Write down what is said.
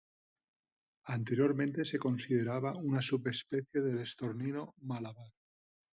Anteriormente se consideraba una subespecie del estornino malabar.